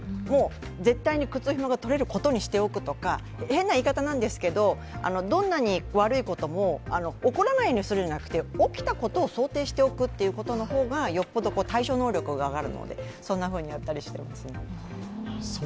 もう絶対に靴ひもが取れることにしておくとか変な言い方ですけどどんなに悪いことも起こらないようにするんではなくて起きたことを想定しておく方がよっぽど対処能力が上がるので、そんなふうにやったりしています。